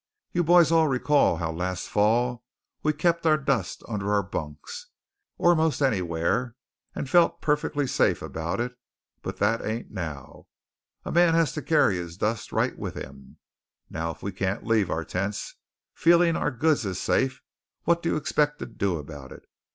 You boys all recall how last fall we kep' our dust under our bunks or most anywhere, and felt perfectly safe about it; but that ain't now. A man has to carry his dust right with him. Now, if we can't leave our tents feeling our goods is safe, what do you expect to do about it?